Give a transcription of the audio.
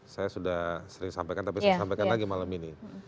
saya sudah sering sampaikan tapi saya sampaikan lagi malam ini